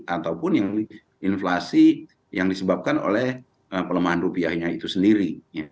ataupun yang inflasi yang disebabkan oleh pelemahan rupiahnya itu sendiri